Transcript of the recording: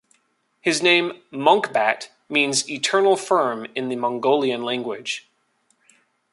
His name Monkhbat means "Eternal firm" in the Mongolian language.